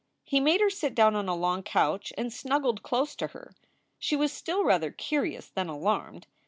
He made her sit down on a long couch and snuggled close to her. She was still rather curious than alarmed.